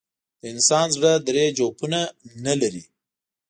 د انسان زړه درې جوفونه نه لري.